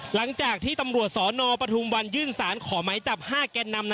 หลังจากที่ตำรวจสนปฐุมวันยื่นสารขอไม้จับ๕แกนนำ